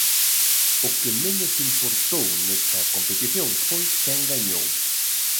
O que menos importou nesta competición foi quen gañou.